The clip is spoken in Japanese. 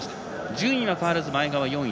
順位は変わらず４位。